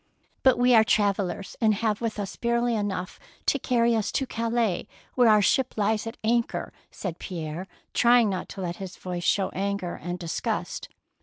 " But we are travellers, and have with us barely enough to carry us to 143 DEEDS OF DAKING Calais, where our ship lies at anchor,'^ said Pierre, trying not to let his voice show his anger and disgust.